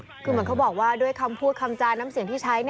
คือเหมือนเขาบอกว่าด้วยคำพูดคำจาน้ำเสียงที่ใช้